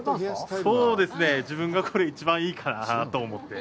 そうですね、自分がこれ一番いいかなと思って。